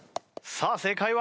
さあ正解は？